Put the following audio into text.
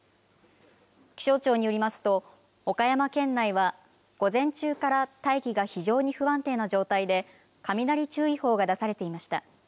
気象庁によりますと、岡山県内は午前中から大気が非常に不安定な状態で、雷注意報が出されていました。